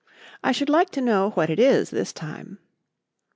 I should like to know what it is this time."